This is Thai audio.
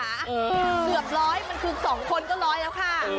เกือบร้อยมันคือ๒คนก็ร้อยแล้วค่ะ